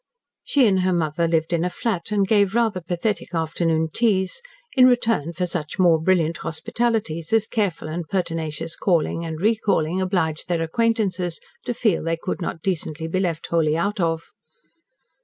She and her mother lived in a flat, and gave rather pathetic afternoon teas in return for such more brilliant hospitalities as careful and pertinacious calling and recalling obliged their acquaintances to feel they could not decently be left wholly out of.